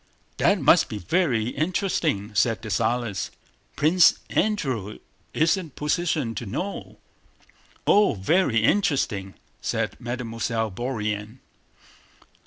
"That must be very interesting," said Dessalles. "Prince Andrew is in a position to know..." "Oh, very interesting!" said Mademoiselle Bourienne.